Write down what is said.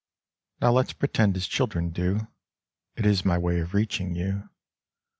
Now, let's pretend as children do; It is my way of reaching you.